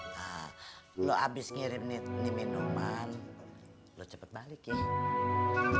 nah lo abis ngirim ini minuman lo cepat balik ya